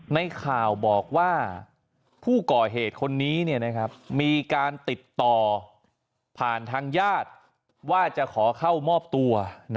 ในข่าวบอกว่าผู้ก่อเหตุคนนี้มีการติดต่อผ่านทางญาติว่าจะขอเข้ามอบตัว